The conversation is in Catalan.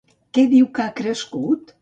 Què diu que ha crescut?